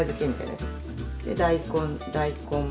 で大根大根